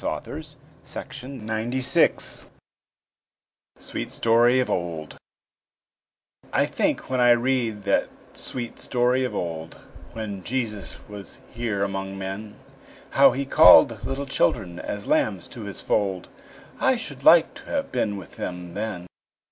WILLIAM SHAKESPEARE SWEET STORY OF OLD I think when I read that sweet story of old, When Jesus was here among men, How He call'd little children as lambs to His fold, I should like to have been with them then.